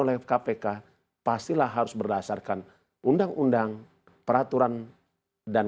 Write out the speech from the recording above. apapun yang dilakukan oleh kpk pastilah harus berdasarkan undang undang peraturan dan